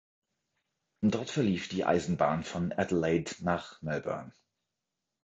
Dort verlief die Eisenbahn von Adelaide nach Melbourne.